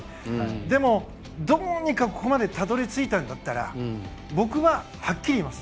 でも、どうにかここまでたどり着いたんだったら僕ははっきり言います。